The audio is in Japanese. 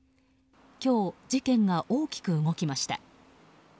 今日、事件が大きく動きました。